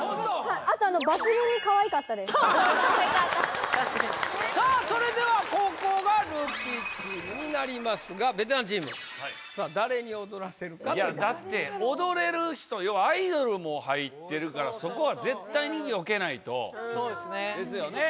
あとあの・確かにさあそれではになりますがベテランチームさあ誰に踊らせるかいやだって踊れる人アイドルも入ってるからそこは絶対によけないとそうですねですよね